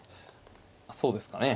そうですかね。